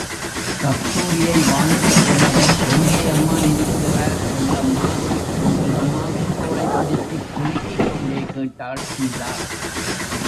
கஸ்தூரியை வாங்கிப்போனவர் எங்கே அம்மா இருக்கிறார் சொல்லம்மா! என்று அம்மாவின் தோளைப் பிடித்துக் குலுக்கிக்கொண்டே கேட்டாள் சீதா.